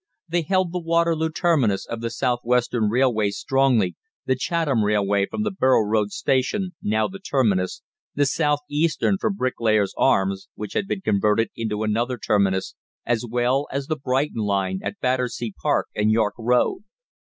They held the Waterloo terminus of the South Western Railway strongly, the Chatham Railway from the Borough Road Station now the terminus the South Eastern from Bricklayers' Arms, which had been converted into another terminus, as well as the Brighton line, at Battersea Park and York Road.